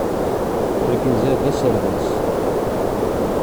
Argaz-a d aserdas.